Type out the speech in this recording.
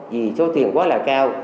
vì số tiền quá là cao